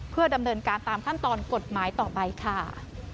เพื่อดำเนินการตามขั้นตอนกฎหมายต่อไปค่ะ